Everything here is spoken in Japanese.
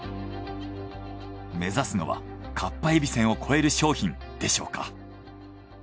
目指すのはかっぱえびせんを超える商品でしょうか。